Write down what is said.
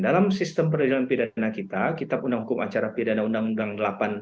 dalam sistem peradilan pidana kita kitab undang hukum acara pidana undang undang seribu sembilan ratus delapan puluh satu